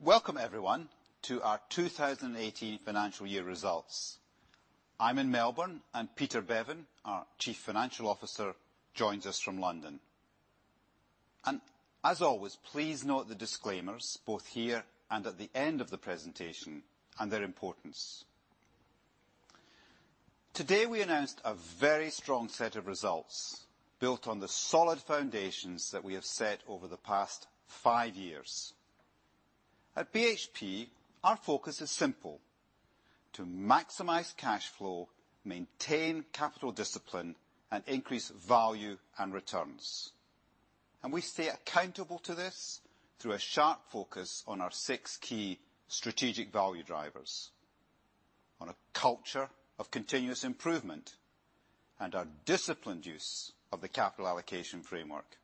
Welcome, everyone, to our 2018 financial year results. I'm in Melbourne, and Peter Beaven, our Chief Financial Officer, joins us from London. As always, please note the disclaimers, both here and at the end of the presentation, and their importance. Today, we announced a very strong set of results built on the solid foundations that we have set over the past five years. At BHP, our focus is simple: to maximize cash flow, maintain capital discipline, and increase value and returns. We stay accountable to this through a sharp focus on our six key strategic value drivers, on a culture of continuous improvement, and our disciplined use of the capital allocation framework.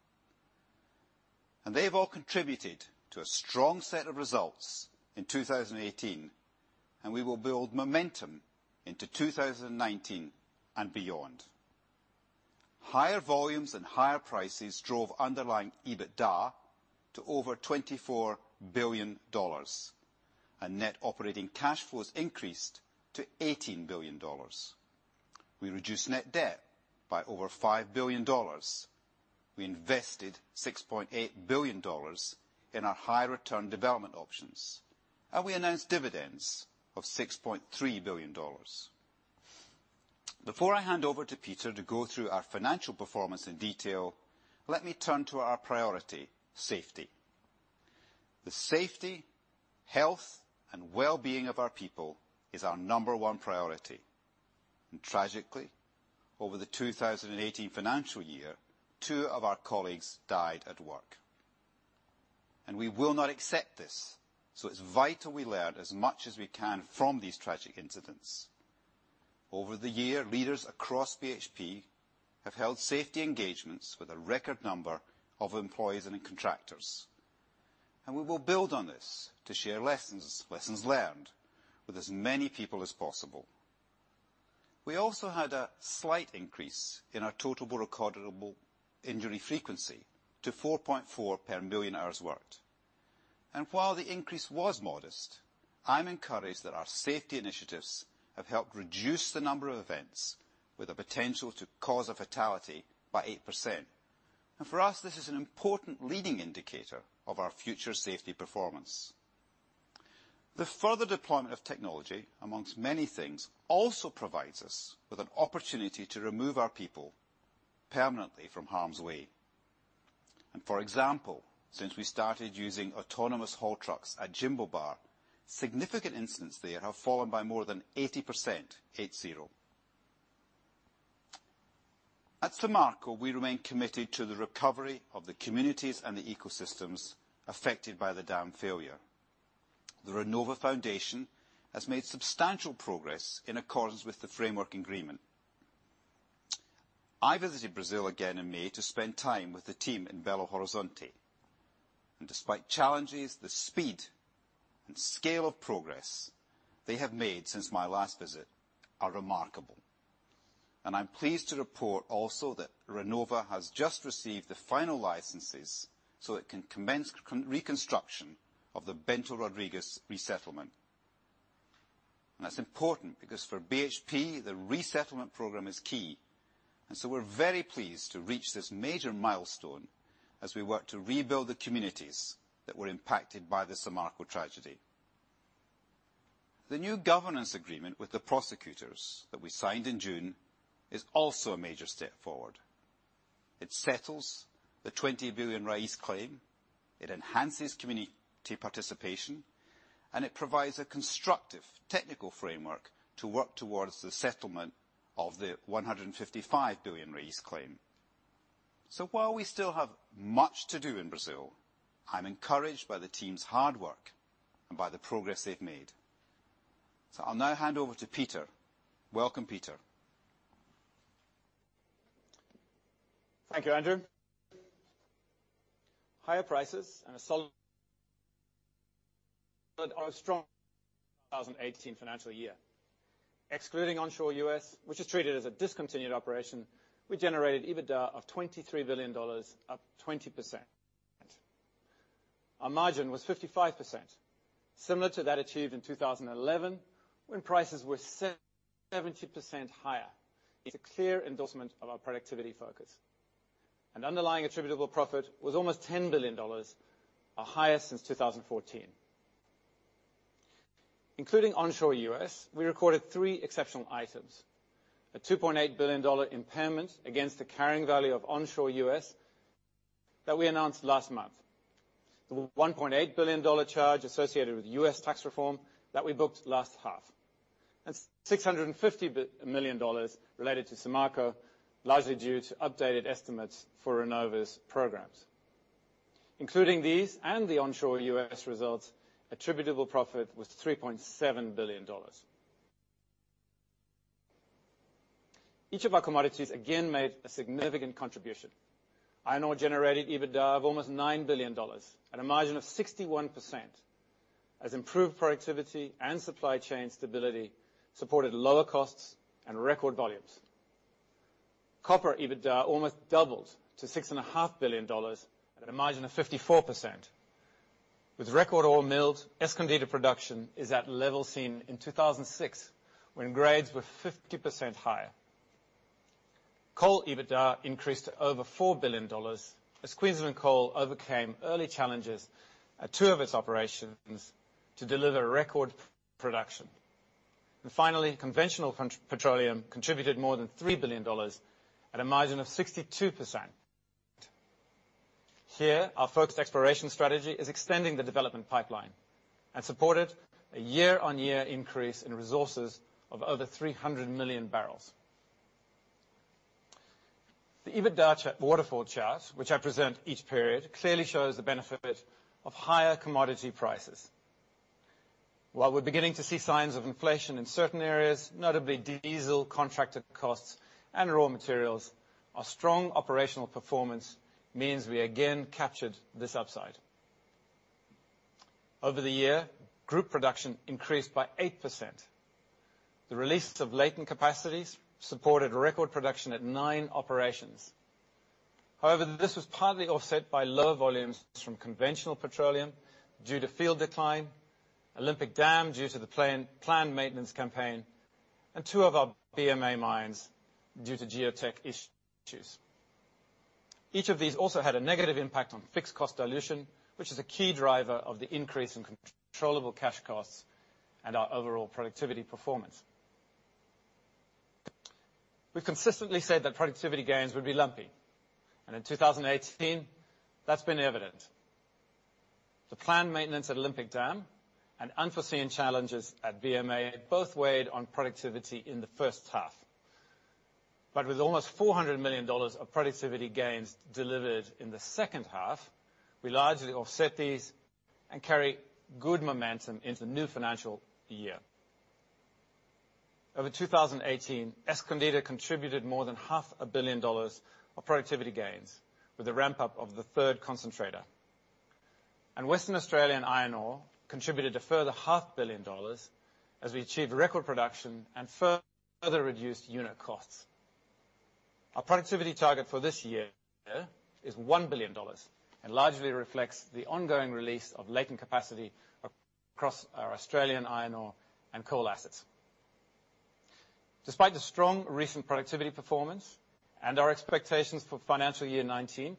They've all contributed to a strong set of results in 2018, and we will build momentum into 2019 and beyond. Higher volumes and higher prices drove underlying EBITDA to over $24 billion. Net operating cash flows increased to $18 billion. We reduced net debt by over $5 billion. We invested $6.8 billion in our high-return development options. We announced dividends of $6.3 billion. Before I hand over to Peter to go through our financial performance in detail, let me turn to our priority, safety. The safety, health, and well-being of our people is our number one priority. Tragically, over the 2018 financial year, two of our colleagues died at work, and we will not accept this. It's vital we learn as much as we can from these tragic incidents. Over the year, leaders across BHP have held safety engagements with a record number of employees and contractors. We will build on this to share lessons learned, with as many people as possible. We also had a slight increase in our total recordable injury frequency to 4.4 per million hours worked. While the increase was modest, I'm encouraged that our safety initiatives have helped reduce the number of events with a potential to cause a fatality by 8%. For us, this is an important leading indicator of our future safety performance. The further deployment of technology, amongst many things, also provides us with an opportunity to remove our people permanently from harm's way. For example, since we started using autonomous haul trucks at Jimblebar, significant incidents there have fallen by more than 80%, eight zero. At Samarco, we remain committed to the recovery of the communities and the ecosystems affected by the dam failure. The Renova Foundation has made substantial progress in accordance with the framework agreement. I visited Brazil again in May to spend time with the team in Belo Horizonte. Despite challenges, the speed and scale of progress they have made since my last visit are remarkable. I'm pleased to report also that Renova has just received the final licenses so it can commence reconstruction of the Bento Rodrigues resettlement. That's important because for BHP, the resettlement program is key, and so we're very pleased to reach this major milestone as we work to rebuild the communities that were impacted by the Samarco tragedy. The new governance agreement with the prosecutors that we signed in June is also a major step forward. It settles the $ 20 billion claim. It enhances community participation, and it provides a constructive technical framework to work towards the settlement of the $ 155 billion claim. While we still have much to do in Brazil, I'm encouraged by the team's hard work and by the progress they've made. I'll now hand over to Peter. Welcome, Peter. Thank you, Andrew. Higher prices and a solid on a strong 2018 financial year. Excluding onshore U.S., which is treated as a discontinued operation, we generated EBITDA of $ 23 billion, up 20%. Our margin was 55%, similar to that achieved in 2011 when prices were 70% higher. It's a clear endorsement of our productivity focus. Underlying attributable profit was almost $10 billion, our highest since 2014. Including onshore U.S., we recorded three exceptional items. A $2.8 billion impairment against the carrying value of onshore U.S. that we announced last month. The $1.8 billion charge associated with U.S. tax reform that we booked last half. $ 650 million related to Samarco, largely due to updated estimates for Renova's programs. Including these and the onshore U.S. results, attributable profit was $3.7 billion. Each of our commodities, again, made a significant contribution. Iron ore generated EBITDA of almost $9 billion at a margin of 61%, as improved productivity and supply chain stability supported lower costs and record volumes. Copper EBITDA almost doubled to $6.5 billion at a margin of 54%. With record ore milled, Escondida production is at levels seen in 2006, when grades were 50% higher. Coal EBITDA increased to over $4 billion as Queensland Coal overcame early challenges at two of its operations to deliver record production. Finally, conventional petroleum contributed more than $3 billion at a margin of 62%. Here, our focused exploration strategy is extending the development pipeline and supported a year-on-year increase in resources of over 300 million barrels. The EBITDA waterfall chart, which I present each period, clearly shows the benefit of higher commodity prices. While we're beginning to see signs of inflation in certain areas, notably diesel contracted costs and raw materials, our strong operational performance means we again captured this upside. Over the year, group production increased by 8%. The releases of latent capacities supported record production at nine operations. However, this was partly offset by lower volumes from conventional petroleum due to field decline, Olympic Dam due to the planned maintenance campaign, and two of our BMA mines due to Geotech issues. Each of these also had a negative impact on fixed cost dilution, which is a key driver of the increase in controllable cash costs and our overall productivity performance. We've consistently said that productivity gains would be lumpy, and in 2018 that's been evident. The planned maintenance at Olympic Dam and unforeseen challenges at BMA both weighed on productivity in the first half. With almost $ 400 million of productivity gains delivered in the second half, we largely offset these and carry good momentum into the new financial year. Over 2018, Escondida contributed more than half a billion BRL of productivity gains with the ramp-up of the third concentrator. Western Australian Iron Ore contributed a further half billion BRL as we achieved record production and further reduced unit costs. Our productivity target for this year is $1 billion and largely reflects the ongoing release of latent capacity across our Australian iron ore and coal assets. Despite the strong recent productivity performance and our expectations for financial year 2019,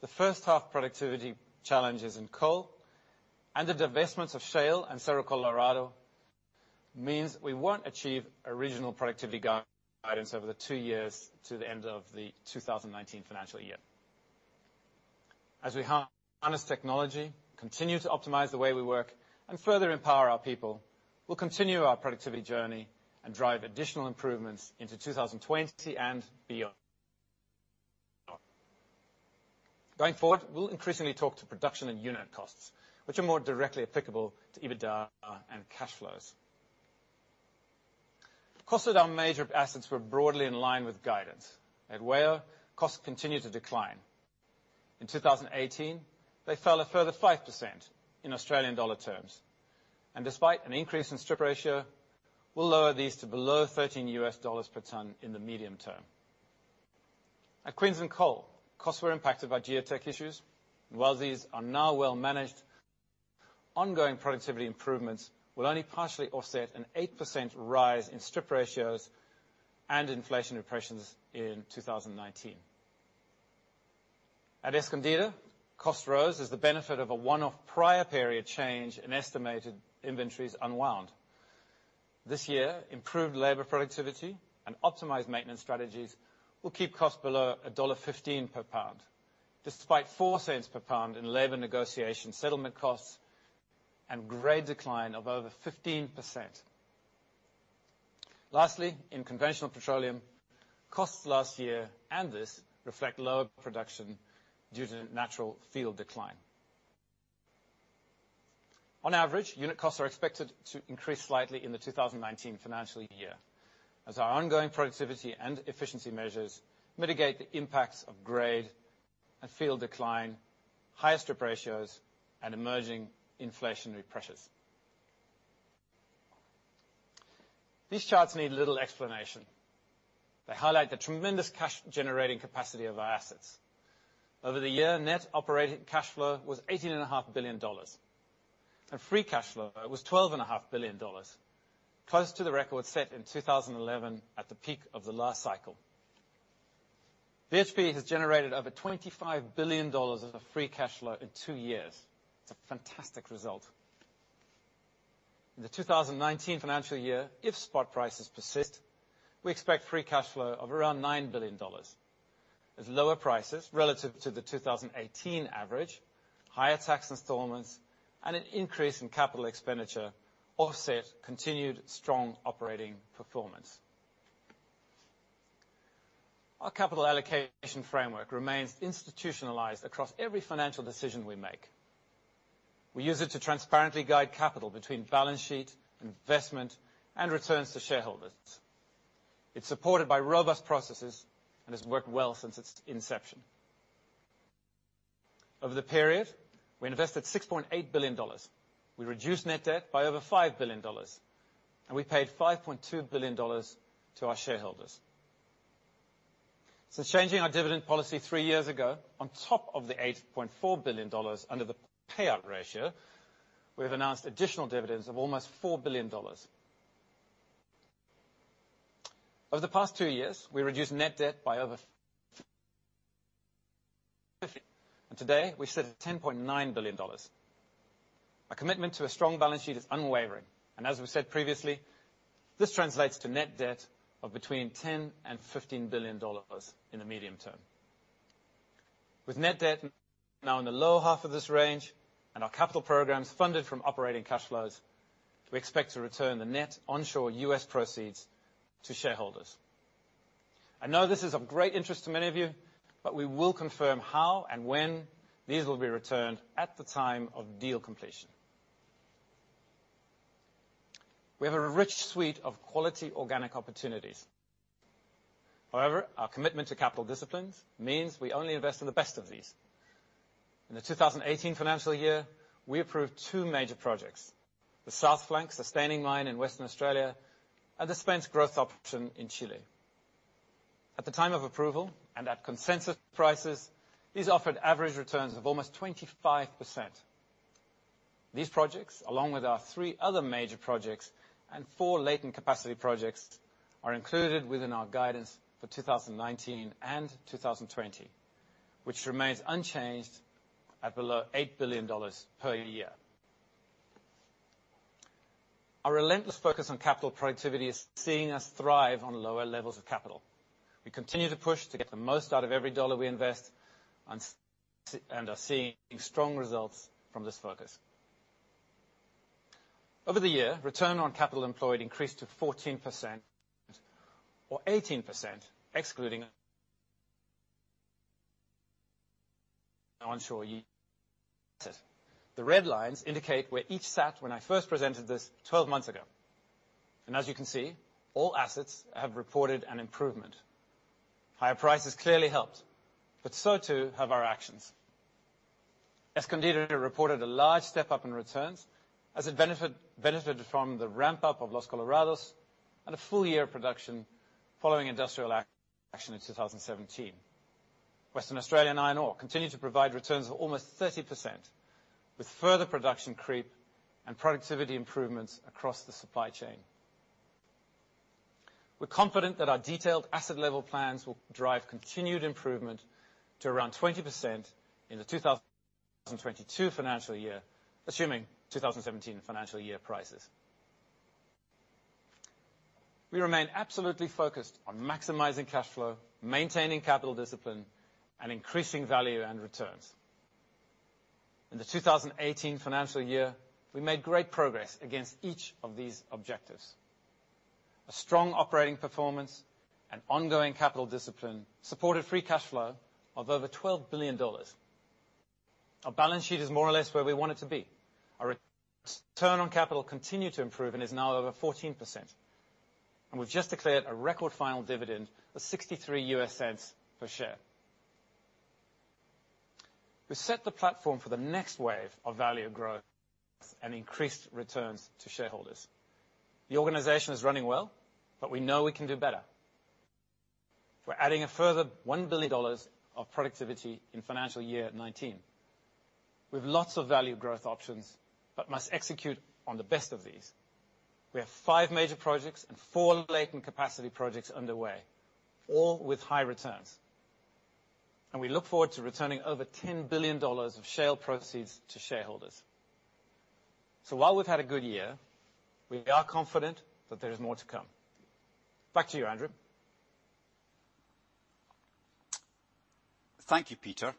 the first half productivity challenges in coal and the divestments of Shale and Cerro Colorado means we won't achieve original productivity guidance over the two years to the end of the 2019 financial year. As we harness technology, continue to optimize the way we work, and further empower our people, we'll continue our productivity journey and drive additional improvements into 2020 and beyond. Going forward, we'll increasingly talk to production and unit costs, which are more directly applicable to EBITDA and cash flows. Costs at our major assets were broadly in line with guidance. At WAIO, costs continued to decline. In 2018, they fell a further 5% in Australian dollar terms, and despite an increase in strip ratio, we'll lower these to below 13 US dollars per tonne in the medium term. At Queensland Coal, costs were impacted by geotech issues. While these are now well managed, ongoing productivity improvements will only partially offset an 8% rise in strip ratios and inflationary pressures in 2019. At Escondida, costs rose as the benefit of a one-off prior period change in estimated inventories unwound. This year, improved labor productivity and optimized maintenance strategies will keep costs below $1.15 per pound, despite $0.04 per pound in labor negotiation settlement costs and grade decline of over 15%. Lastly, in conventional petroleum, costs last year and this reflect lower production due to natural field decline. On average, unit costs are expected to increase slightly in the 2019 financial year as our ongoing productivity and efficiency measures mitigate the impacts of grade and field decline, higher strip ratios, and emerging inflationary pressures. These charts need little explanation. They highlight the tremendous cash generating capacity of our assets. Over the year, net operating cash flow was $18.5 billion. Free cash flow was $12.5 billion, close to the record set in 2011 at the peak of the last cycle. BHP has generated over $25 billion of free cash flow in two years. It's a fantastic result. In the 2019 financial year, if spot prices persist, we expect free cash flow of around $ 9 billion, with lower prices relative to the 2018 average, higher tax installments, and an increase in capital expenditure offset continued strong operating performance. Our capital allocation framework remains institutionalized across every financial decision we make. We use it to transparently guide capital between balance sheet, investment, and returns to shareholders. It's supported by robust processes and has worked well since its inception. Over the period, we invested $6.8 billion. We reduced net debt by over $5 billion, and we paid $5.2 billion to our shareholders. Since changing our dividend policy three years ago, on top of the $8.4 billion under the payout ratio, we've announced additional dividends of almost $4 billion. Over the past two years, we reduced net debt by over and today we sit at $ 10.9 billion. Our commitment to a strong balance sheet is unwavering, as we've said previously, this translates to net debt of between $10 billion and $15 billion in the medium term. With net debt now in the lower half of this range and our capital programs funded from operating cash flows, we expect to return the net onshore U.S. proceeds to shareholders. I know this is of great interest to many of you, we will confirm how and when these will be returned at the time of deal completion. We have a rich suite of quality organic opportunities. However, our commitment to capital disciplines means we only invest in the best of these. In the 2018 financial year, we approved two major projects, the South Flank sustaining line in Western Australia and the Spence growth option in Chile. At the time of approval and at consensus prices, these offered average returns of almost 25%. These projects, along with our three other major projects and four latent capacity projects, are included within our guidance for 2019 and 2020, which remains unchanged at below $8 billion per year. Our relentless focus on capital productivity is seeing us thrive on lower levels of capital. We continue to push to get the most out of every dollar we invest and are seeing strong results from this focus. Over the year, return on capital employed increased to 14%, or 18% excluding onshore. The red lines indicate where each sat when I first presented this 12 months ago. As you can see, all assets have reported an improvement. Higher prices clearly helped, so too have our actions. Escondida reported a large step up in returns as it benefited from the ramp-up of Los Colorados and a full year of production following industrial action in 2017. Western Australian Iron Ore continued to provide returns of almost 30%, with further production creep and productivity improvements across the supply chain. We're confident that our detailed asset level plans will drive continued improvement to around 20% in the 2022 financial year, assuming 2017 financial year prices. We remain absolutely focused on maximizing cash flow, maintaining capital discipline, and increasing value and returns. In the 2018 financial year, we made great progress against each of these objectives. A strong operating performance and ongoing capital discipline supported free cash flow of over $12 billion. Our balance sheet is more or less where we want it to be. Our return on capital continued to improve and is now over 14%. We've just declared a record final dividend of $0.63 per share. We set the platform for the next wave of value growth and increased returns to shareholders. The organization is running well, we know we can do better. We're adding a further $1 billion of productivity in financial year 2019. We have lots of value growth options, must execute on the best of these. We have five major projects and four latent capacity projects underway, all with high returns. We look forward to returning over $10 billion of sale proceeds to shareholders. While we've had a good year, we are confident that there is more to come. Back to you, Andrew. Thank you, Peter.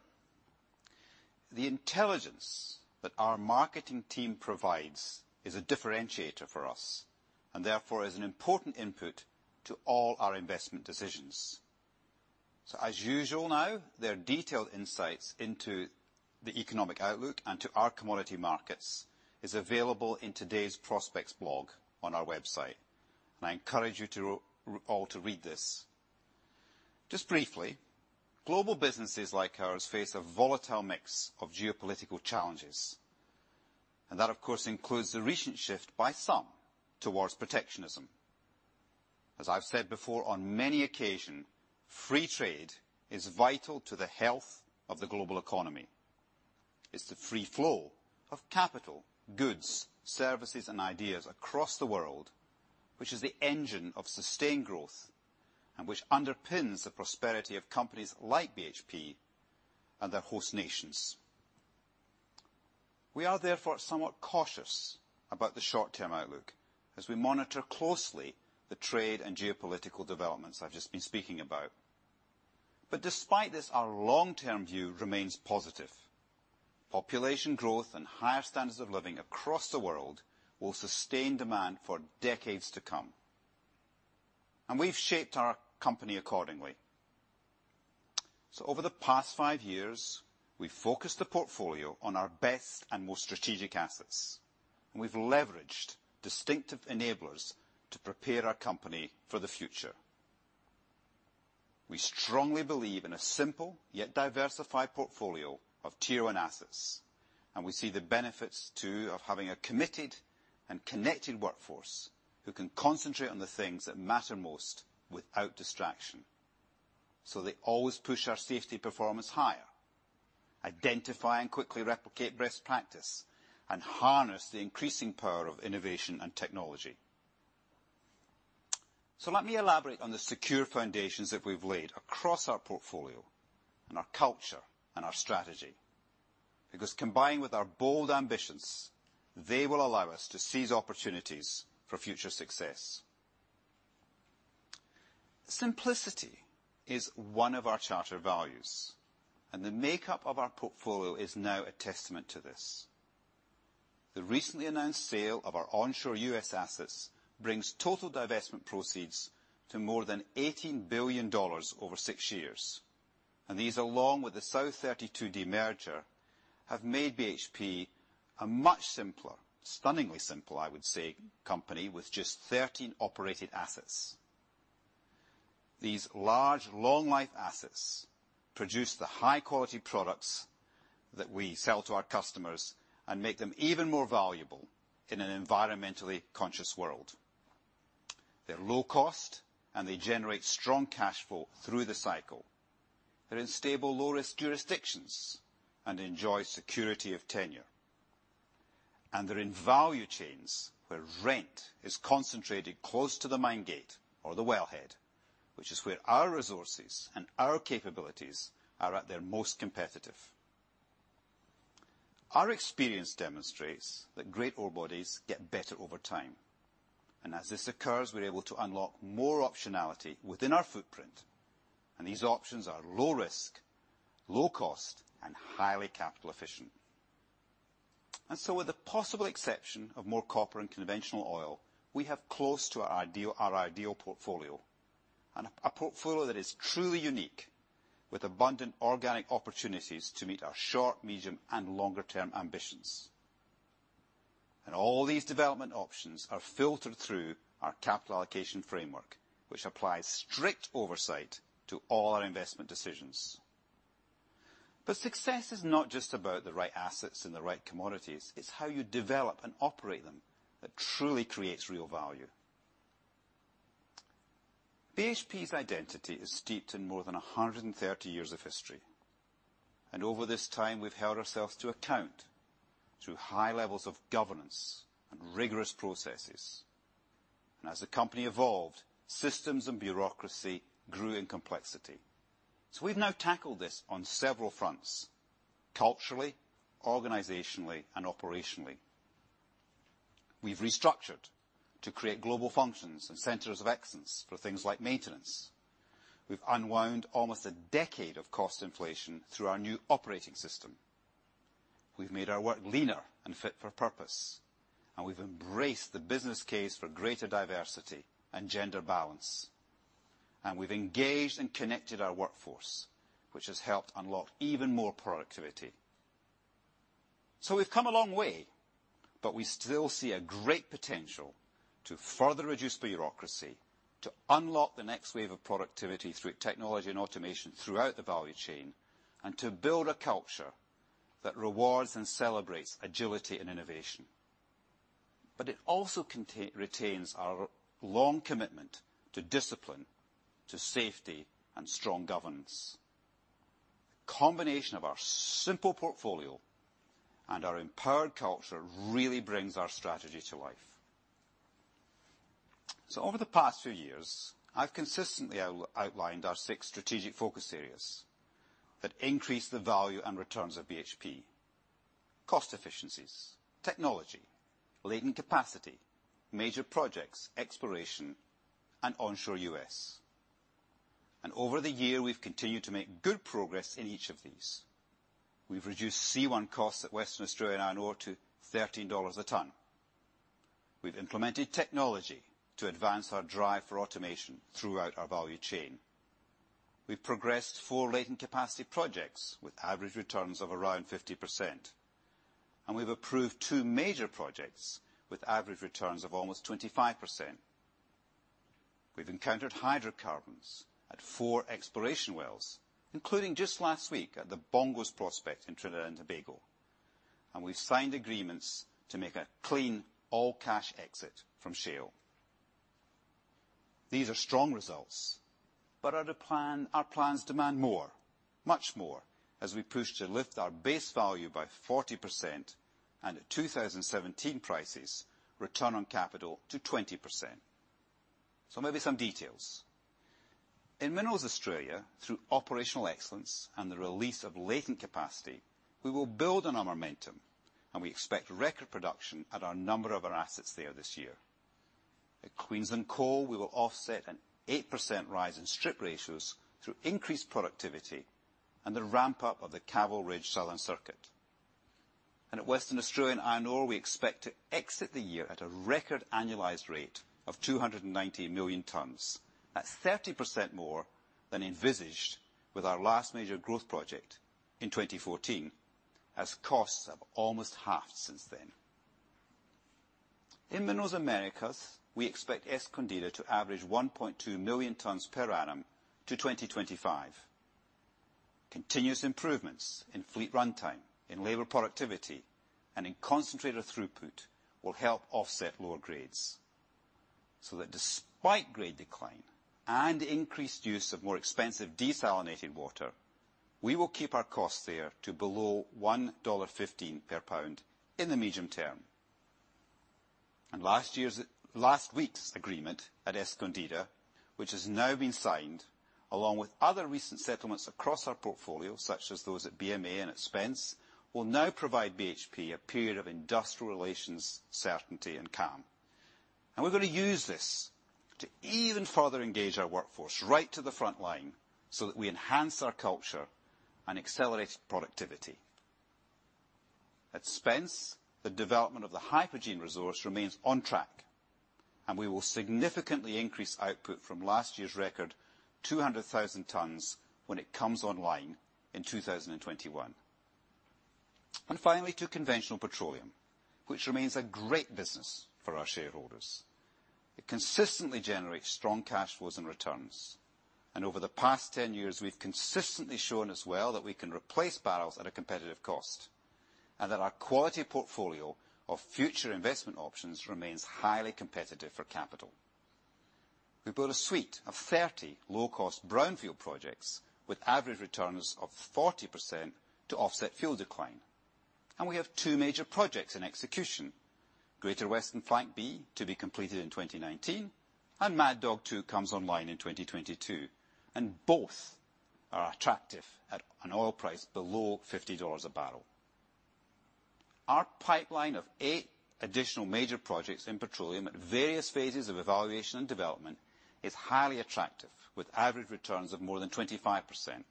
The intelligence that our marketing team provides is a differentiator for us and therefore is an important input to all our investment decisions. As usual now, their detailed insights into the economic outlook and to our commodity markets is available in today's Prospects blog on our website. I encourage you all to read this. Just briefly, global businesses like ours face a volatile mix of geopolitical challenges, and that of course includes the recent shift by some towards protectionism. As I've said before on many occasion, free trade is vital to the health of the global economy. It's the free flow of capital, goods, services, and ideas across the world, which is the engine of sustained growth and which underpins the prosperity of companies like BHP and their host nations. We are therefore somewhat cautious about the short-term outlook as we monitor closely the trade and geopolitical developments I've just been speaking about. Despite this, our long-term view remains positive. Population growth and higher standards of living across the world will sustain demand for decades to come. We've shaped our company accordingly. Over the past 5 years, we've focused the portfolio on our best and most strategic assets, and we've leveraged distinctive enablers to prepare our company for the future. We strongly believe in a simple, yet diversified portfolio of tier 1 assets, and we see the benefits too of having a committed and connected workforce who can concentrate on the things that matter most without distraction. They always push our safety performance higher, identify and quickly replicate best practice, and harness the increasing power of innovation and technology. Let me elaborate on the secure foundations that we've laid across our portfolio and our culture and our strategy. Because combined with our bold ambitions, they will allow us to seize opportunities for future success. Simplicity is one of our charter values, and the makeup of our portfolio is now a testament to this. The recently announced sale of our onshore U.S. assets brings total divestment proceeds to more than $18 billion over 6 years, and these, along with the South32 demerger, have made BHP a much simpler, stunningly simple, I would say, company with just 13 operated assets. These large, long-life assets produce the high-quality products that we sell to our customers and make them even more valuable in an environmentally conscious world. They're low cost, and they generate strong cash flow through the cycle. They're in stable, low-risk jurisdictions and enjoy security of tenure. They're in value chains where rent is concentrated close to the mine gate or the wellhead, which is where our resources and our capabilities are at their most competitive. Our experience demonstrates that great ore bodies get better over time. As this occurs, we're able to unlock more optionality within our footprint, and these options are low risk, low cost, and highly capital efficient. With the possible exception of more copper and conventional oil, we have close to our ideal portfolio, and a portfolio that is truly unique, with abundant organic opportunities to meet our short, medium, and longer-term ambitions. All these development options are filtered through our capital allocation framework, which applies strict oversight to all our investment decisions. Success is not just about the right assets and the right commodities. It's how you develop and operate them that truly creates real value. BHP's identity is steeped in more than 130 years of history. Over this time, we've held ourselves to account through high levels of governance and rigorous processes. As the company evolved, systems and bureaucracy grew in complexity. We've now tackled this on several fronts, culturally, organizationally, and operationally. We've restructured to create global functions and centers of excellence for things like maintenance. We've unwound almost a decade of cost inflation through our new operating system. We've made our work leaner and fit for purpose, and we've embraced the business case for greater diversity and gender balance. We've engaged and connected our workforce, which has helped unlock even more productivity. We've come a long way, but we still see a great potential to further reduce bureaucracy, to unlock the next wave of productivity through technology and automation throughout the value chain, and to build a culture that rewards and celebrates agility and innovation. It also retains our long commitment to discipline, to safety, and strong governance. Combination of our simple portfolio and our empowered culture really brings our strategy to life. Over the past few years, I've consistently outlined our six strategic focus areas that increase the value and returns of BHP: cost efficiencies, technology, latent capacity, major projects, exploration, and onshore U.S. Over the year, we've continued to make good progress in each of these. We've reduced C1 costs at Western Australian Iron Ore to $13 a ton. We've implemented technology to advance our drive for automation throughout our value chain. We've progressed four latent capacity projects with average returns of around 50%, and we've approved two major projects with average returns of almost 25%. We've encountered hydrocarbons at four exploration wells, including just last week at the Bongos prospect in Trinidad and Tobago. We've signed agreements to make a clean, all-cash exit from shale. These are strong results, but our plans demand more, much more, as we push to lift our base value by 40%, and at 2017 prices, return on capital to 20%. Maybe some details. In Minerals Australia, through operational excellence and the release of latent capacity, we will build on our momentum, and we expect record production at a number of our assets there this year. At Queensland Coal, we will offset an 8% rise in strip ratios through increased productivity and the ramp up of the Caval Ridge Southern Circuit. At Western Australian Iron Ore, we expect to exit the year at a record annualized rate of 290 million tons. That's 30% more than envisaged with our last major growth project in 2014, as costs have almost halved since then. In the North Americas, we expect Escondida to average 1.2 million tons per annum to 2025. Continuous improvements in fleet runtime, in labor productivity, and in concentrator throughput will help offset lower grades, so that despite grade decline and increased use of more expensive desalinated water, we will keep our costs there to below $1.15 per pound in the medium term. Last week's agreement at Escondida, which has now been signed, along with other recent settlements across our portfolio, such as those at BMA and at Spence, will now provide BHP a period of industrial relations, certainty, and calm. We're going to use this to even further engage our workforce right to the front line so that we enhance our culture and accelerate productivity. At Spence, the development of the hypogene resource remains on track, and we will significantly increase output from last year's record 200,000 tons when it comes online in 2021. Finally, to conventional petroleum, which remains a great business for our shareholders. It consistently generates strong cash flows and returns. Over the past 10 years, we've consistently shown as well that we can replace barrels at a competitive cost, and that our quality portfolio of future investment options remains highly competitive for capital. We built a suite of 30 low-cost brownfield projects with average returns of 40% to offset fuel decline. We have two major projects in execution, Greater Western Flank B to be completed in 2019, Mad Dog 2 comes online in 2022, and both are attractive at an oil price below $ 50 a barrel. Our pipeline of eight additional major projects in petroleum at various phases of evaluation and development is highly attractive, with average returns of more than 25%.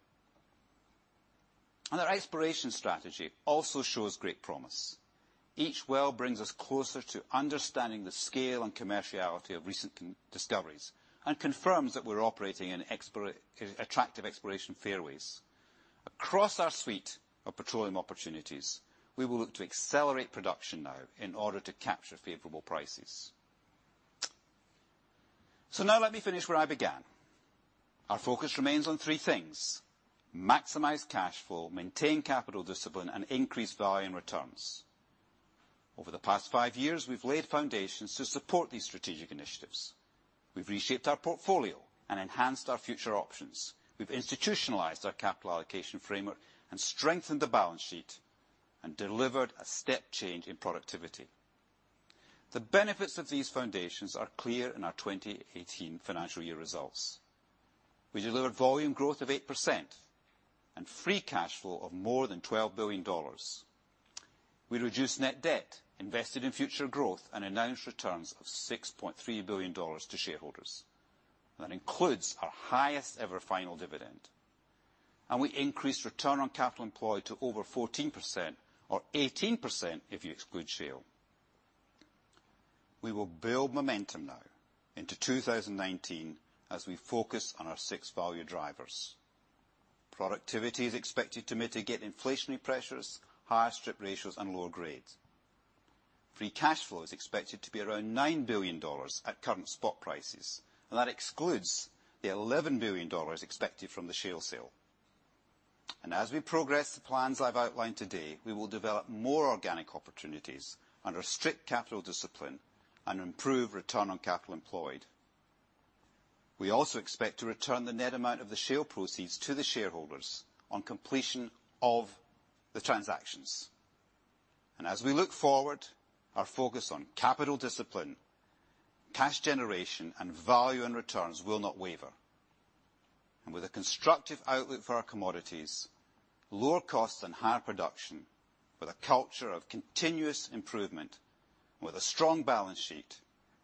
Our exploration strategy also shows great promise. Each well brings us closer to understanding the scale and commerciality of recent discoveries and confirms that we're operating in attractive exploration fairways. Across our suite of petroleum opportunities, we will look to accelerate production now in order to capture favorable prices. Now let me finish where I began. Our focus remains on three things: maximize cash flow, maintain capital discipline, and increase value and returns. Over the past five years, we've laid foundations to support these strategic initiatives. We've reshaped our portfolio and enhanced our future options. We've institutionalized our capital allocation framework and strengthened the balance sheet and delivered a step change in productivity. The benefits of these foundations are clear in our 2018 financial year results. We delivered volume growth of 8% and free cash flow of more than $ 12 billion. We reduced net debt, invested in future growth, and announced returns of $ 6.3 billion to shareholders. That includes our highest-ever final dividend. We increased return on capital employed to over 14%, or 18% if you exclude shale. We will build momentum now into 2019 as we focus on our six value drivers. Productivity is expected to mitigate inflationary pressures, higher strip ratios, and lower grades. Free cash flow is expected to be around $ 9 billion at current spot prices, and that excludes the $ 11 billion expected from the shale sale. As we progress the plans I've outlined today, we will develop more organic opportunities under strict capital discipline and improve return on capital employed. We also expect to return the net amount of the shale proceeds to the shareholders on completion of the transactions. As we look forward, our focus on capital discipline, cash generation, and value and returns will not waver. With a constructive outlook for our commodities, lower costs and higher production, with a culture of continuous improvement, and with a strong balance sheet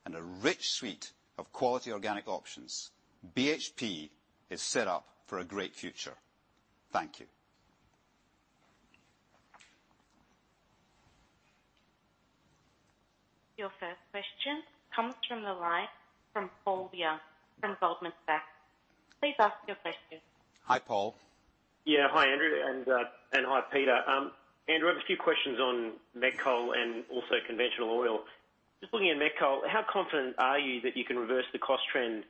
and a rich suite of quality organic options, BHP is set up for a great future. Thank you. Your first question comes from the line from Paul Young from Goldman Sachs. Please ask your question. Hi, Paul. Yeah. Hi, Andrew, and hi, Peter. Andrew, I have a few questions on Met Coal and also conventional oil. Just looking at Met Coal, how confident are you that you can reverse the cost trend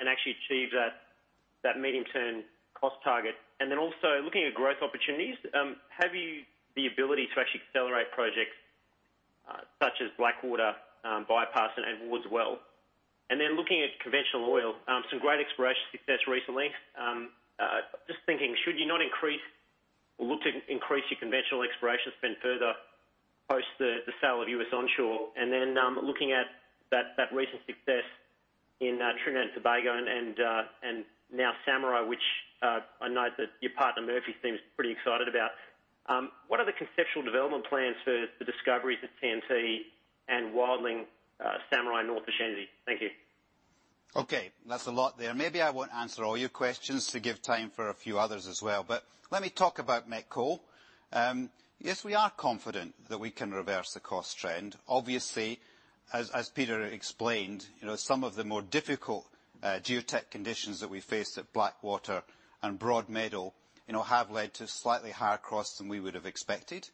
and actually achieve that medium-term cost target? Also looking at growth opportunities, have you the ability to actually accelerate projects such as Blackwater Bypass and Woods Well? Looking at conventional oil, some great exploration success recently. Just thinking, should you not increase or look to increase your conventional exploration spend further post the sale of U.S. onshore? Looking at that recent success in Trinidad and Tobago and now Samurai, which I know that your partner Murphy seems pretty excited about, what are the conceptual development plans for the discoveries at T&T and Wildling, Samurai North, Poseidon? Thank you. Okay. That's a lot there. Maybe I won't answer all your questions to give time for a few others as well. Let me talk about Met Coal. Yes, we are confident that we can reverse the cost trend. Obviously, as Peter explained, some of the more difficult Geotech conditions that we face at Blackwater and Broadmeadow have led to slightly higher costs than we would have expected.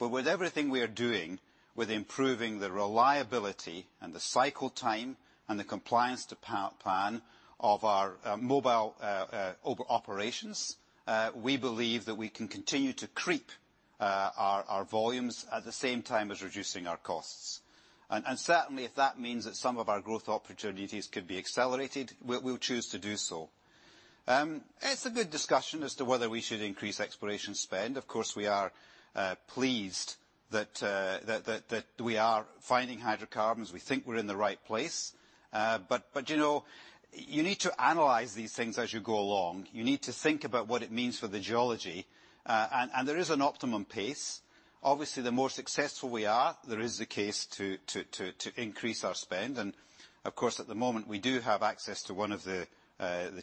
With everything we are doing with improving the reliability and the cycle time and the compliance to plan of our mobile operations, we believe that we can continue to creep our volumes at the same time as reducing our costs. Certainly, if that means that some of our growth opportunities could be accelerated, we'll choose to do so. It's a good discussion as to whether we should increase exploration spend. Of course, we are pleased that we are finding hydrocarbons. We think we're in the right place. You need to analyze these things as you go along. You need to think about what it means for the geology. There is an optimum pace. Obviously, the more successful we are, there is the case to increase our spend and, of course, at the moment, we do have access to one of the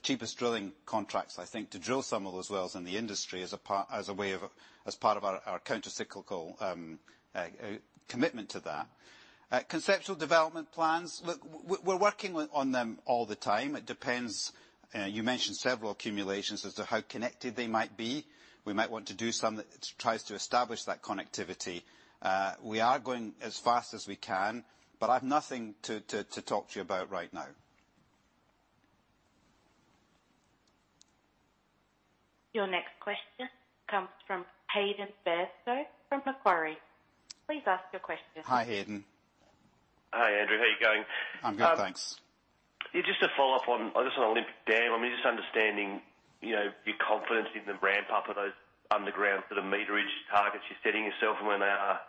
cheapest drilling contracts, I think, to drill some of those wells in the industry as part of our counter-cyclical commitment to that. Conceptual development plans, look, we're working on them all the time. It depends. You mentioned several accumulations as to how connected they might be. We might want to do some that tries to establish that connectivity. We are going as fast as we can, but I have nothing to talk to you about right now. Your next question comes from Hayden Bairstow from Macquarie. Please ask your question. Hi, Hayden. Hi, Andrew. How are you going? I'm good, thanks. Just to follow up on Olympic Dam, I'm just understanding your confidence in the ramp-up of those underground meterage targets you're setting yourself and where they are.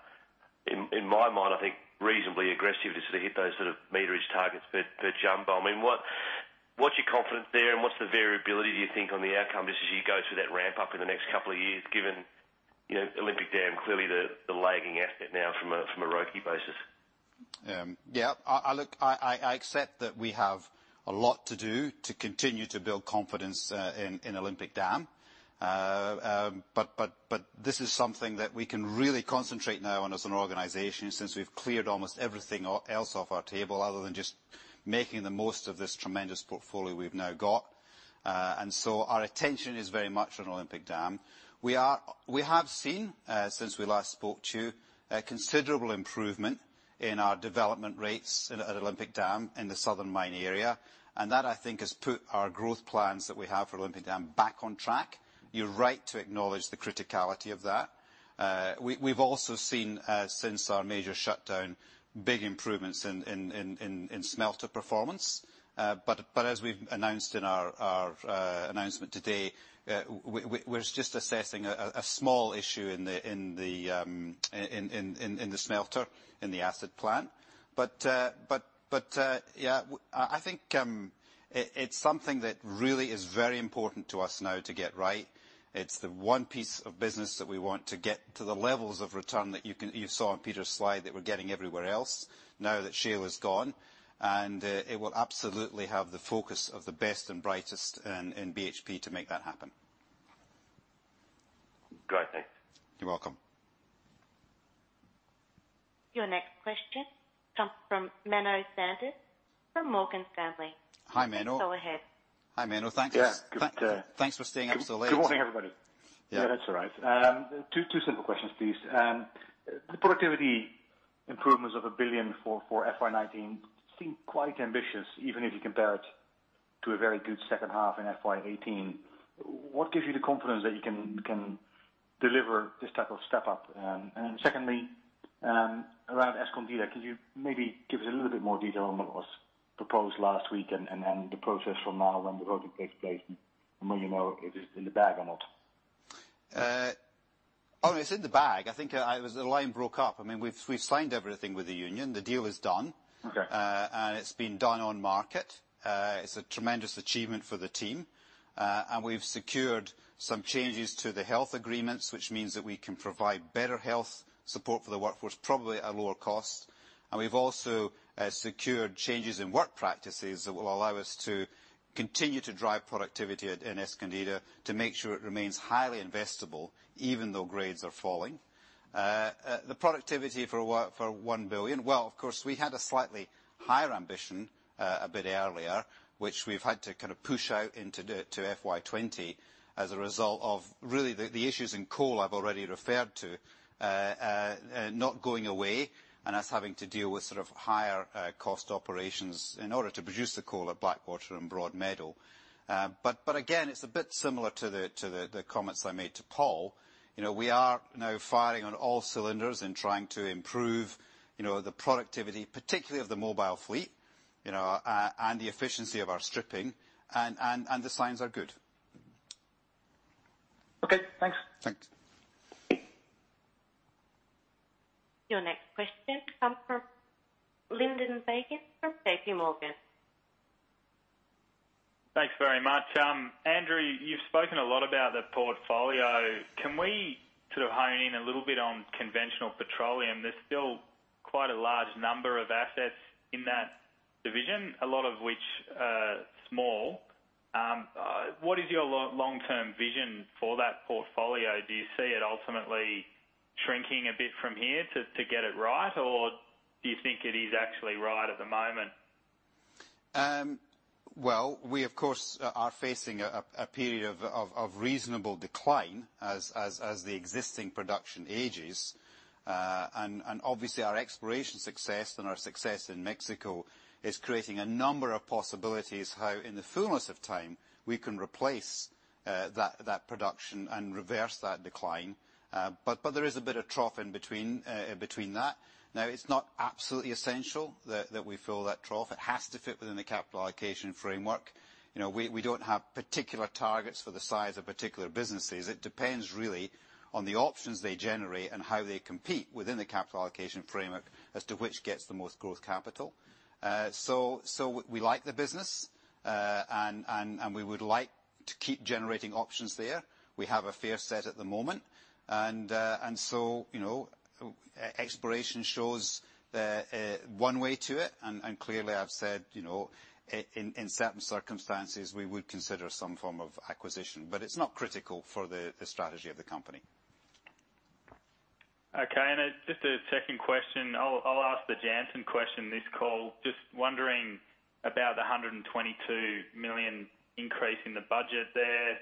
In my mind, I think reasonably aggressive to hit those sort of meterage targets per jumbo. What's your confidence there and what's the variability do you think on the outcome just as you go through that ramp-up in the next couple of years, given Olympic Dam clearly the lagging asset now from a ROIC basis? Look, I accept that we have a lot to do to continue to build confidence in Olympic Dam. This is something that we can really concentrate now on as an organization, since we've cleared almost everything else off our table other than just making the most of this tremendous portfolio we've now got. Our attention is very much on Olympic Dam. We have seen, since we last spoke to you, a considerable improvement in our development rates at Olympic Dam in the southern mine area, and that, I think, has put our growth plans that we have for Olympic Dam back on track. You're right to acknowledge the criticality of that. We've also seen, since our major shutdown, big improvements in smelter performance. As we've announced in our announcement today, we're just assessing a small issue in the smelter, in the acid plant. Yeah, I think it's something that really is very important to us now to get right. It's the one piece of business that we want to get to the levels of return that you saw on Peter's slide that we're getting everywhere else now that shale is gone, and it will absolutely have the focus of the best and brightest in BHP to make that happen. Great, thanks. You're welcome. Your next question comes from Menno Sanderse from Morgan Stanley. Hi, Menno. Go ahead. Hi, Menno. Thanks. Yeah. Thanks for staying up so late. Good morning, everybody. Yeah. That's all right. Two simple questions, please. The productivity improvements of $1 billion for FY 2019 seem quite ambitious, even if you compare it to a very good second half in FY 2018. What gives you the confidence that you can deliver this type of step-up? Secondly, around Escondida, could you maybe give us a little bit more detail on what was proposed last week and the process from now on, the voting takes place, and when you know if it's in the bag or not? It's in the bag. I think the line broke up. We've signed everything with the union. The deal is done. Okay. It's been done on market. It's a tremendous achievement for the team. We've secured some changes to the health agreements, which means that we can provide better health support for the workforce, probably at a lower cost. We've also secured changes in work practices that will allow us to continue to drive productivity in Escondida to make sure it remains highly investable, even though grades are falling. The productivity for $1 billion, well, of course, we had a slightly higher ambition a bit earlier, which we've had to push out into FY 2020 as a result of really the issues in coal I've already referred to not going away and us having to deal with higher cost operations in order to produce the coal at Blackwater and Broadmeadow. Again, it's a bit similar to the comments I made to Paul. We are now firing on all cylinders and trying to improve the productivity, particularly of the mobile fleet, and the efficiency of our stripping and the signs are good. Okay, thanks. Thanks. Your next question comes from Lyndon Fagan from J.P. Morgan. Thanks very much. Andrew, you've spoken a lot about the portfolio. Can we sort of hone in a little bit on conventional petroleum? There's still quite a large number of assets in that division, a lot of which are small. What is your long-term vision for that portfolio? Do you see it ultimately shrinking a bit from here to get it right, or do you think it is actually right at the moment? Well, we of course, are facing a period of reasonable decline as the existing production ages. Obviously our exploration success and our success in Mexico is creating a number of possibilities how, in the fullness of time, we can replace that production and reverse that decline. There is a bit of trough in between that. Now, it's not absolutely essential that we fill that trough. It has to fit within the capital allocation framework. We don't have particular targets for the size of particular businesses. It depends really on the options they generate and how they compete within the capital allocation framework as to which gets the most growth capital. We like the business. We would like to keep generating options there. We have a fair set at the moment. Exploration shows one way to it, and clearly I've said in certain circumstances we would consider some form of acquisition. It's not critical for the strategy of the company. Okay. Just a second question. I'll ask the Jansen question this call. Just wondering about the 122 million increase in the budget there.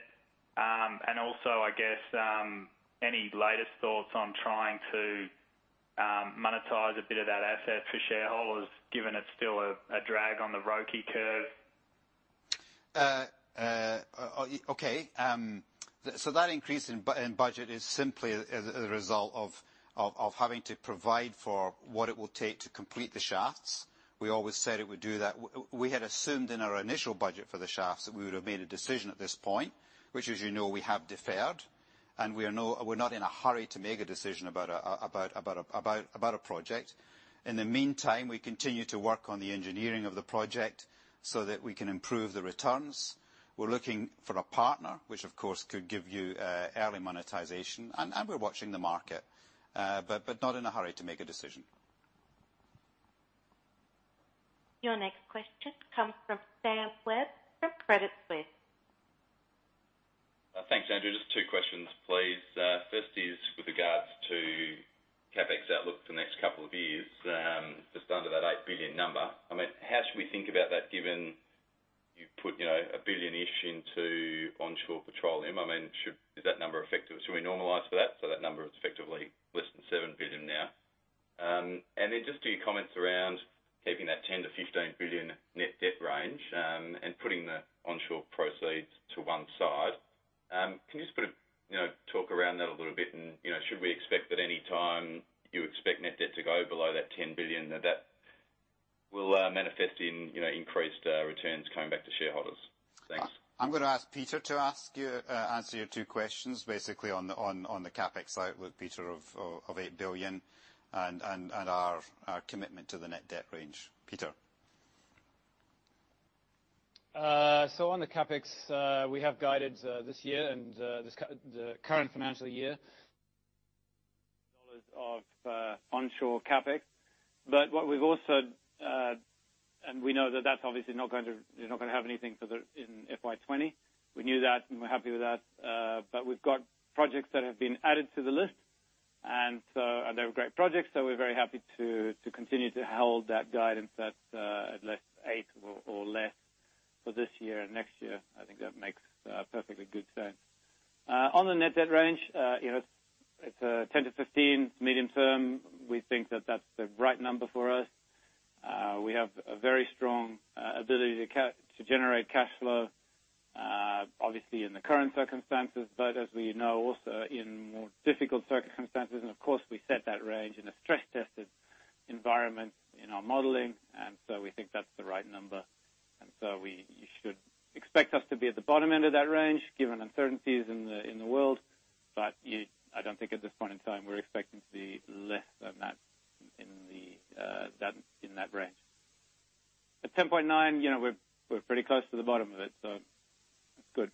Also, I guess, any latest thoughts on trying to monetize a bit of that asset for shareholders, given it's still a drag on the ROCE curve? Okay. That increase in budget is simply a result of having to provide for what it will take to complete the shafts. We always said it would do that. We had assumed in our initial budget for the shafts that we would have made a decision at this point, which as you know, we have deferred. We're not in a hurry to make a decision about a project. In the meantime, we continue to work on the engineering of the project so that we can improve the returns. We're looking for a partner, which of course, could give you early monetization. We're watching the market. Not in a hurry to make a decision. Your next question comes from Sam Webb from Credit Suisse. Thanks, Andrew. Just two questions, please. First is with regards to CapEx outlook for the next couple of years, just under that $ 8 billion number. How should we think about that given you put $ 1 billion-ish into onshore petroleum? Should we normalize for that, so that number is effectively less than $ 7 billion now? Just your comments around keeping that $ 10 billion-$ 15 billion net debt range, and putting the onshore proceeds to one side. Can you just talk around that a little bit and should we expect at any time you expect net debt to go below that $ 10 billion, that that will manifest in increased returns coming back to shareholders? Thanks. I'm going to ask Peter to answer your two questions basically on the CapEx side with Peter of $ 8 billion and our commitment to the net debt range. Peter? On the CapEx, we have guided this year and the current financial year $ of onshore CapEx. What we've also, and we know that that's obviously not going to have anything in FY 2020. We knew that, and we're happy with that. We've got projects that have been added to the list. They're great projects, so we're very happy to continue to hold that guidance that at least $ 8 or less for this year and next year. I think that makes perfectly good sense. On the net debt range, it's $ 10 billion-$ 15 billion medium-term. We think that that's the right number for us. We have a very strong ability to generate cash flow, obviously in the current circumstances, but as we know also in more difficult circumstances. We set that range in a stress-tested environment in our modeling. We think that's the right number. You should expect us to be at the bottom end of that range, given uncertainties in the world. I don't think at this point in time, we're expecting to be less than that in that range. At $ 10.9 billion, we're pretty close to the bottom of it, so that's good.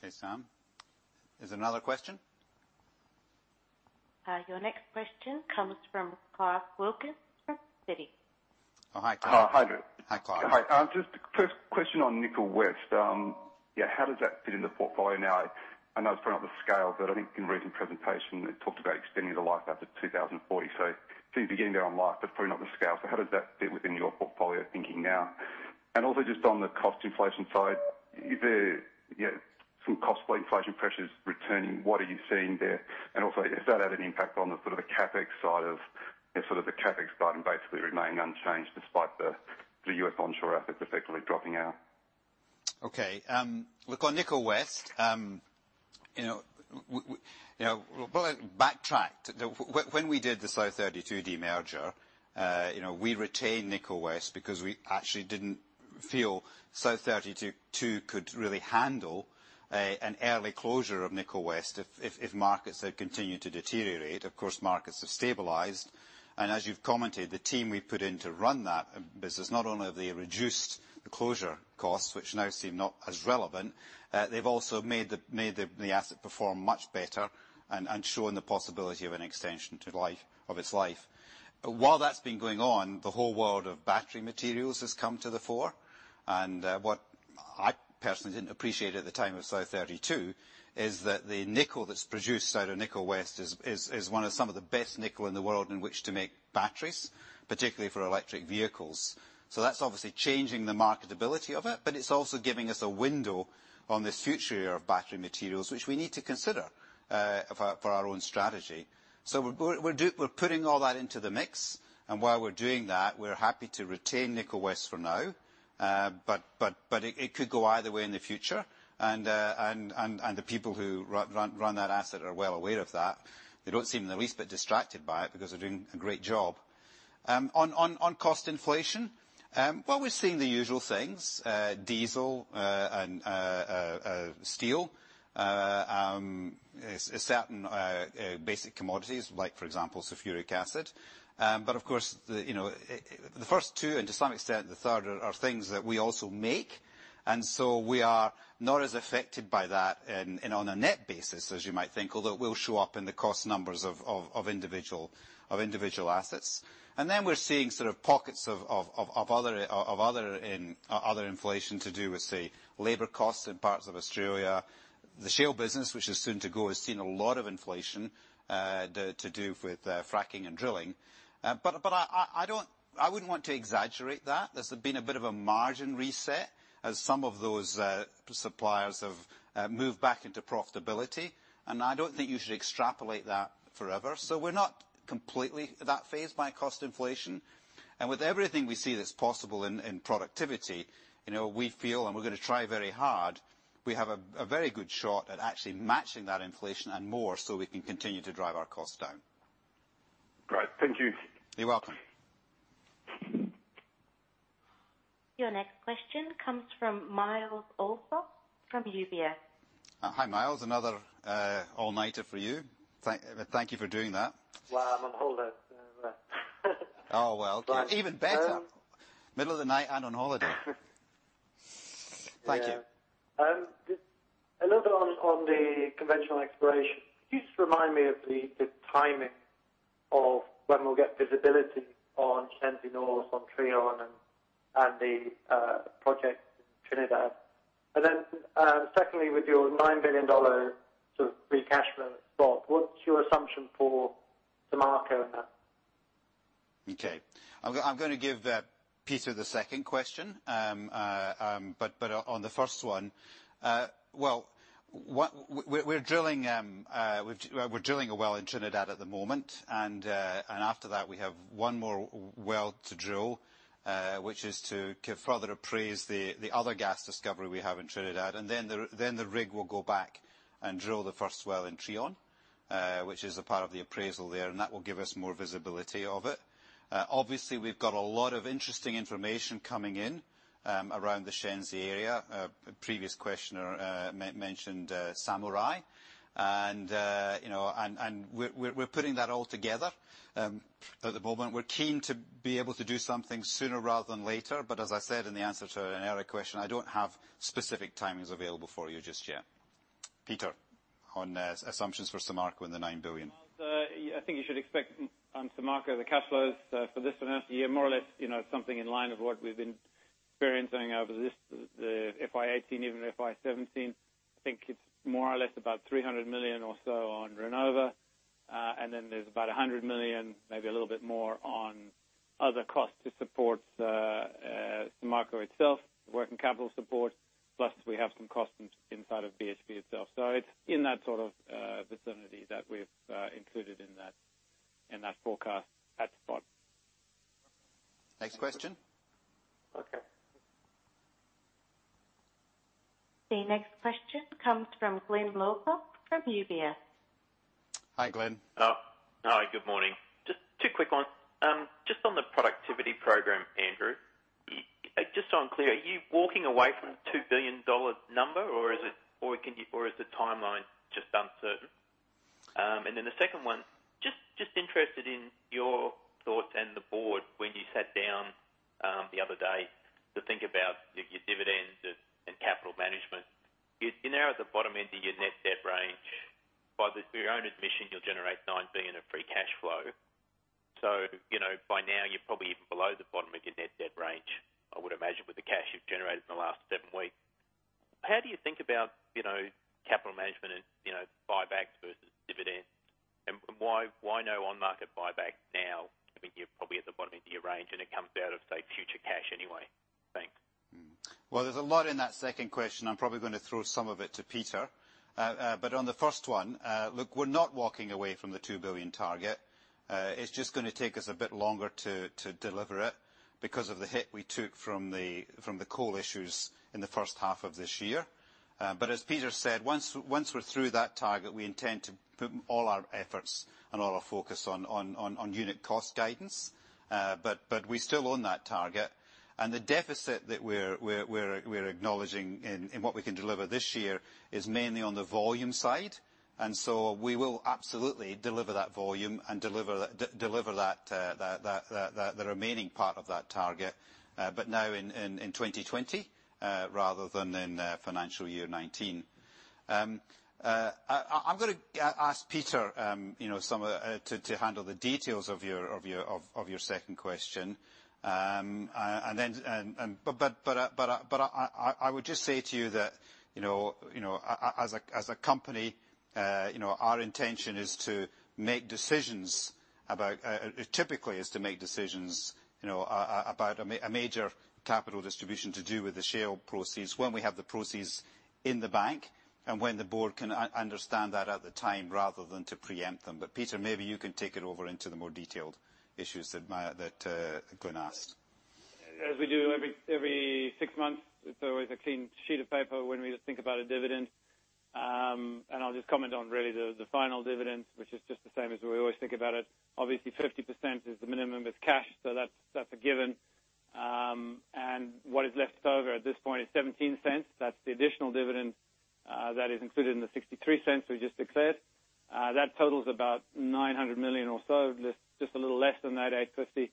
Okay, Sam, is there another question? Your next question comes from Clarke Wilkins from Citi. Oh, hi, Clarke. Hi, Andrew. Hi, Clarke. Hi. Just a quick question on Nickel West. How does that fit in the portfolio now? I know it's probably not the scale, but I think in reading the presentation, it talked about extending the life out to 2040. Things are getting there on life, but it's probably not the scale. How does that fit within your portfolio thinking now? Just on the cost inflation side, some cost inflation pressures returning, what are you seeing there? Also, has that had an impact on the CapEx side and basically remained unchanged despite the U.S. onshore assets effectively dropping out? Look, on Nickel West. Backtrack. When we did the South32 demerger, we retained Nickel West because we actually didn't feel South32 could really handle an early closure of Nickel West if markets had continued to deteriorate. Of course, markets have stabilized. As you've commented, the team we put in to run that business, not only have they reduced the closure costs, which now seem not as relevant, they've also made the asset perform much better and shown the possibility of an extension of its life. While that's been going on, the whole world of battery materials has come to the fore. What I personally didn't appreciate at the time of South32, is that the nickel that's produced out of Nickel West is one of some of the best nickel in the world in which to make batteries, particularly for electric vehicles. That's obviously changing the marketability of it, but it's also giving us a window on this future era of battery materials, which we need to consider for our own strategy. We're putting all that into the mix, and while we're doing that, we're happy to retain Nickel West for now. It could go either way in the future, and the people who run that asset are well aware of that. They don't seem the least bit distracted by it, because they're doing a great job. On cost inflation, well, we're seeing the usual things. Diesel and steel. Certain basic commodities, like, for example, sulfuric acid. Of course, the first two, and to some extent the third, are things that we also make, and so we are not as affected by that and on a net basis as you might think, although it will show up in the cost numbers of individual assets. Then we're seeing sort of pockets of other inflation to do with, say, labor costs in parts of Australia. The shale business, which is soon to go, has seen a lot of inflation to do with fracking and drilling. I wouldn't want to exaggerate that. There's been a bit of a margin reset as some of those suppliers have moved back into profitability, and I don't think you should extrapolate that forever. We're not completely that phased by cost inflation. With everything we see that's possible in productivity, we feel, and we're going to try very hard, we have a very good shot at actually matching that inflation and more so we can continue to drive our costs down. Great. Thank you. You're welcome. Your next question comes from Miles Olphoff from UBS. Hi, Miles. Another all-nighter for you. Thank you for doing that. Well, I'm on holiday. Oh, well. Even better. Middle of the night and on holiday. Thank you. Just a little bit on the conventional exploration. Could you just remind me of the timing of when we'll get visibility on Shenzi North, on Trion, and the project in Trinidad? Secondly, with your $9 billion sort of free cash flow spot, what's your assumption for Samarco now? Okay. I'm going to give Peter the second question. On the first one, well, we're drilling a well in Trinidad at the moment, and after that, we have one more well to drill, which is to further appraise the other gas discovery we have in Trinidad. The rig will go back and drill the first well in Trion, which is a part of the appraisal there, and that will give us more visibility of it. Obviously, we've got a lot of interesting information coming in around the Shenzi area. A previous questioner mentioned Samurai, we're putting that all together. At the moment, we're keen to be able to do something sooner rather than later, as I said in the answer to an earlier question, I don't have specific timings available for you just yet. Peter, on assumptions for Samarco and the $9 billion. I think you should expect on Samarco, the cash flows for this financial year, more or less, something in line of what we've been experiencing over this FY 2018, even FY 2017. I think it's more or less about $300 million or so on Renova, there's about $100 million, maybe a little bit more on other costs to support Samarco itself, working capital support, plus we have some costs inside of BHP itself. It's in that sort of vicinity that we've included in that forecast at spot. Next question. Okay. The next question comes from Glyn Lawcock from UBS. Hi, Glyn. Hi, good morning. Just two quick ones. Just on the productivity program, Andrew. Just so I'm clear, are you walking away from the $ 2 billion number, or is the timeline just uncertain? The second one, just interested in your thoughts and the board when you sat down the other day to think about your dividends and capital management. You're now at the bottom end of your net debt range. By your own admission, you'll generate $ 9 billion of free cash flow. By now, you're probably even below the bottom of your net debt range, I would imagine, with the cash you've generated in the last seven weeks. How do you think about capital management and buybacks versus dividends? Why no on-market buyback now? I mean, you're probably at the bottom of your range and it comes out of, say, future cash anyway. Thanks. Well, there's a lot in that second question. I'm probably going to throw some of it to Peter. On the first one, look, we're not walking away from the $ 2 billion target. It's just going to take us a bit longer to deliver it because of the hit we took from the coal issues in the first half of this year. As Peter said, once we're through that target, we intend to put all our efforts and all our focus on unit cost guidance. We still own that target. The deficit that we're acknowledging in what we can deliver this year is mainly on the volume side. We will absolutely deliver that volume and deliver the remaining part of that target, but now in 2020 rather than in financial year 2019. I'm going to ask Peter to handle the details of your second question. I would just say to you that, as a company, our intention typically is to make decisions about a major capital distribution to do with the share proceeds when we have the proceeds in the bank and when the board can understand that at the time, rather than to preempt them. Peter, maybe you can take it over into the more detailed issues that Glyn asked. As we do every 6 months, it's always a clean sheet of paper when we think about a dividend. I'll just comment on really the final dividend, which is just the same as we always think about it. Obviously, 50% is the minimum is cash, so that's a given. What is left over at this point is $0.17. That's the additional dividend that is included in the $0.63 we just declared. That totals about $900 million or so, just a little less than that, $850.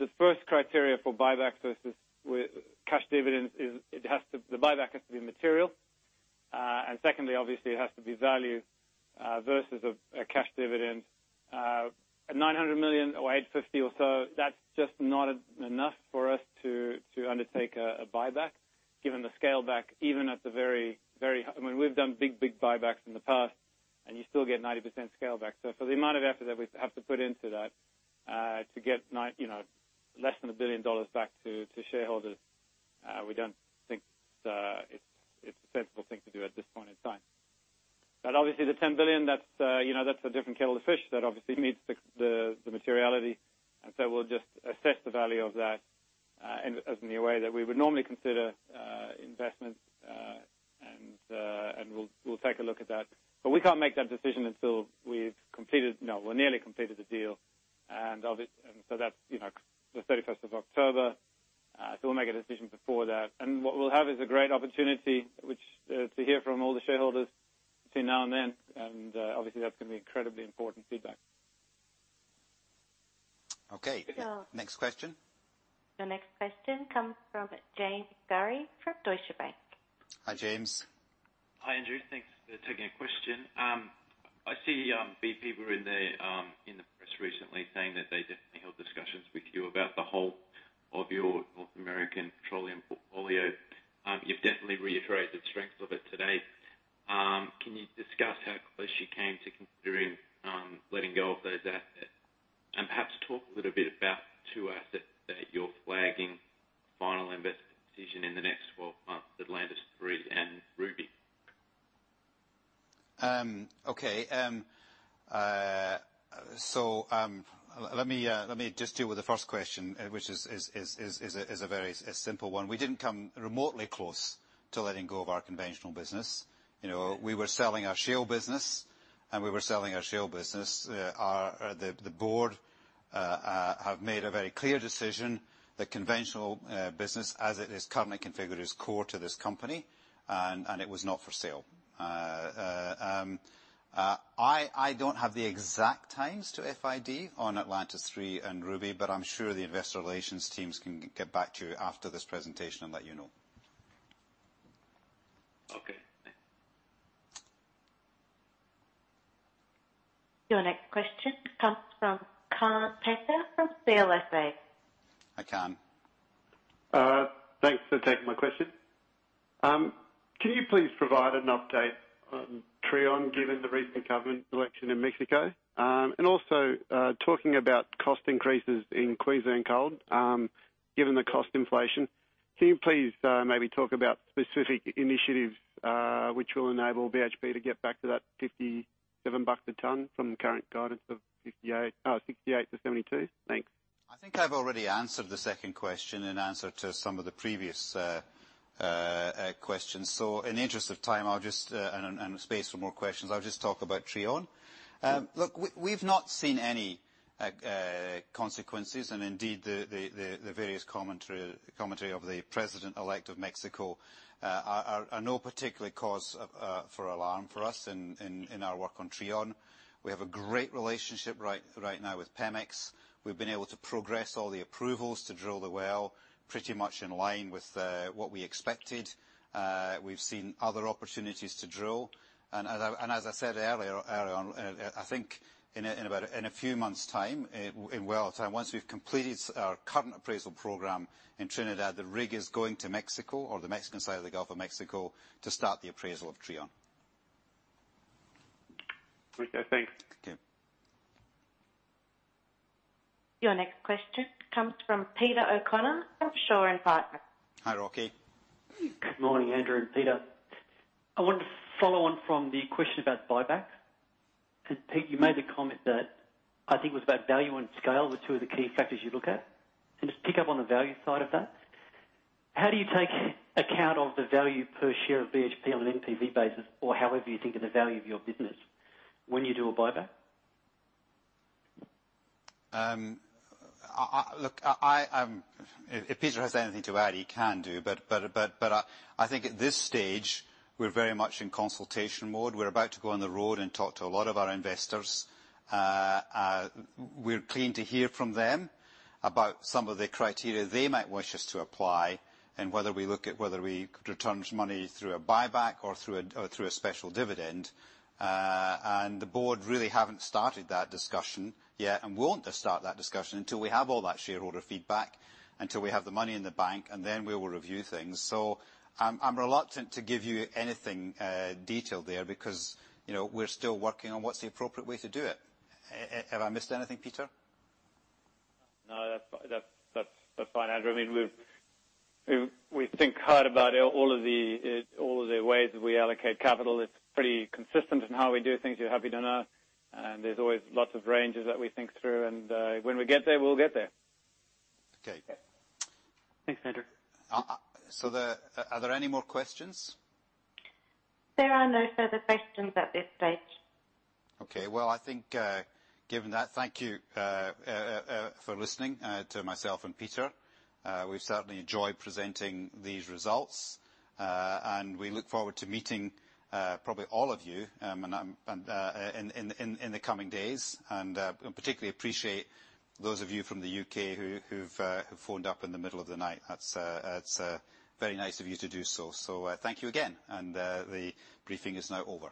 The first criteria for buyback versus cash dividends is the buyback has to be material. Secondly, obviously, it has to be value versus a cash dividend. At $900 million or $850 or so, that's just not enough for us to undertake a buyback given the scale back, even at the very-- We've done big buybacks in the past, and you still get 90% scale back. For the amount of effort that we'd have to put into that to get less than $1 billion back to shareholders, we don't think it's a sensible thing to do at this point in time. Obviously, the $10 billion, that's a different kettle of fish. That obviously meets the materiality. We'll just assess the value of that in the way that we would normally consider investments, and we'll take a look at that. We can't make that decision until we've completed, no, we've nearly completed the deal. That's October 31st. We'll make a decision before that. What we'll have is a great opportunity to hear from all the shareholders between now and then, and obviously, that's going to be incredibly important feedback. Okay. Next question. Your next question comes from James Barry from Deutsche Bank. Hi, Andrew. Hi, Andrew. Thanks for taking a question. I see BP were in the press recently saying that they definitely held discussions with you about the whole of your North American petroleum portfolio. You've definitely reiterated the strength of it today. Can you discuss how close you came to considering letting go of those assets? And perhaps talk a little bit about the two assets that you're flagging final investment decision in the next 12 months, Atlantis III and Ruby. Okay. Let me just deal with the first question, which is a very simple one. We didn't come remotely close to letting go of our conventional business. We were selling our shale business. The board have made a very clear decision that conventional business as it is currently configured is core to this company, and it was not for sale. I don't have the exact times to FID on Atlantis III and Ruby, I'm sure the investor relations teams can get back to you after this presentation and let you know. Okay. Thanks. Your next question comes from Glyn Lawcock from CLSA. Hi, Glyn. Thanks for taking my question. Can you please provide an update on Trion given the recent government election in Mexico? Talking about cost increases in Queensland Coal, given the cost inflation, can you please maybe talk about specific initiatives which will enable BHP to get back to that $ 57 a ton from the current guidance of $ 68-$ 72 a ton? Thanks. I think I've already answered the second question in answer to some of the previous questions. In the interest of time and space for more questions, I'll just talk about Trion. Look, we've not seen any consequences, and indeed, the various commentary of the president-elect of Mexico are no particular cause for alarm for us in our work on Trion. We have a great relationship right now with Pemex. We've been able to progress all the approvals to drill the well pretty much in line with what we expected. We've seen other opportunities to drill. As I said earlier, I think in a few months' time, in well time, once we've completed our current appraisal program in Trinidad, the rig is going to Mexico or the Mexican side of the Gulf of Mexico to start the appraisal of Trion. Okay, thanks. Okay. Your next question comes from Peter O'Connor of Shaw and Partners. Hi, Rocky. Good morning, Andrew and Peter. I wanted to follow on from the question about buybacks. Pete, you made the comment that I think was about value and scale were two of the key factors you look at. Just pick up on the value side of that. How do you take account of the value per share of BHP on an NPV basis, or however you think of the value of your business when you do a buyback? If Peter has anything to add, he can do, but I think at this stage, we're very much in consultation mode. We're about to go on the road and talk to a lot of our investors. We're keen to hear from them about some of the criteria they might wish us to apply and whether we look at whether we could return money through a buyback or through a special dividend. The board really haven't started that discussion yet and won't just start that discussion until we have all that shareholder feedback, until we have the money in the bank, and then we will review things. I'm reluctant to give you anything detailed there because we're still working on what's the appropriate way to do it. Have I missed anything, Peter? No, that's fine, Andrew. We think hard about all of the ways that we allocate capital. It's pretty consistent in how we do things, you're happy to know. There's always lots of ranges that we think through. When we get there, we'll get there. Okay. Thanks, Andrew. Are there any more questions? There are no further questions at this stage. Okay. Well, I think given that, thank you for listening to myself and Peter. We've certainly enjoyed presenting these results. We look forward to meeting probably all of you in the coming days, particularly appreciate those of you from the U.K. who've phoned up in the middle of the night. That's very nice of you to do so. Thank you again, the briefing is now over.